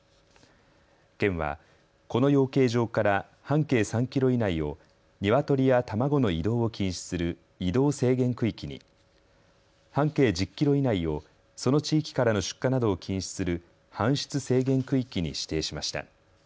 県はこの養鶏場から半径３キロ以内をニワトリや卵の移動を禁止する移動制限区域に、半径１０キロ以内をその地域からの出荷などを禁止する搬出制限区域に指定しました。